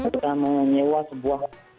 kita menyewa sebuah